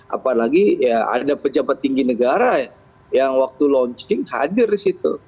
apalagi ya ada pejabat tinggi negara yang waktu launching hadir di situ